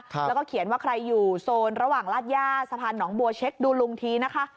แล้วก็เขียนว่าใครอยู่โซนระหว่างลาดย่าสะพานหนองบัวเช็คดูลุงทีนะคะ